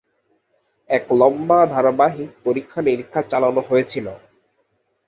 এক লম্বা ধারাবাহিক পরীক্ষানিরীক্ষা চালানো হয়েছিল।